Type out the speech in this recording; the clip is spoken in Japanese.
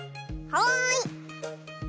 はい！